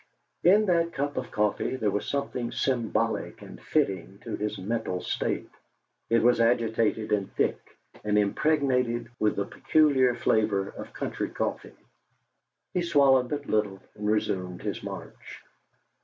In that cup of coffee there was something symbolic and fitting to his mental state. It was agitated and thick, and impregnated with the peculiar flavour of country coffee. He swallowed but little, and resumed his march.